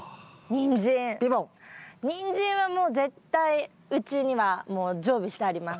ニンジンはもう絶対うちにはもう常備してあります。